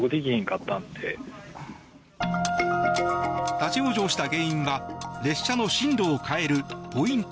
立ち往生した原因は列車の進路を変えるポイント